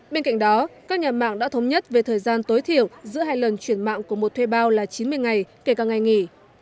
bên cạnh đó các nhà mạng đã thống nhất về thời gian tối thiểu giữa hai lần chuyển mạng của một thuê bao là chín mươi ngày kể cả ngày nghỉ